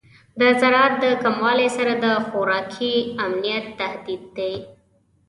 د زراعت د کموالی سره د خوراکي امنیت تهدید دی.